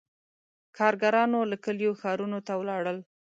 • کارګرانو له کلیو ښارونو ته ولاړل.